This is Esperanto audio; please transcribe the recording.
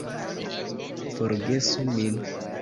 Forgesu min.